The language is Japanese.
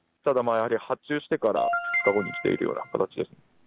ただ、やはり発注してから２日後に来ているような形です。